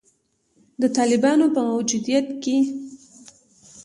د طالبانو په موجودیت کې